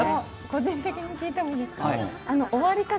個人的に聞いてもいいですか。